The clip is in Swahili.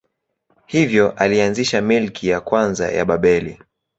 Hivyo alianzisha milki ya kwanza ya Babeli.